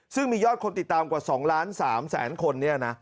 ซึ่งมียอดคนติดตามกว่า๒ล้าน๓แสนคน